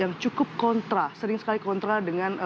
yang cukup kontra sering sekali kontra dengan